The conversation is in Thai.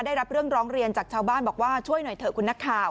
ได้รับเรื่องร้องเรียนจากชาวบ้านบอกว่าช่วยหน่อยเถอะคุณนักข่าว